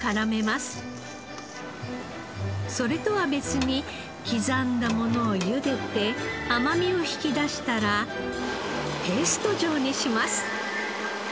それとは別に刻んだものをゆでて甘みを引き出したらペースト状にします。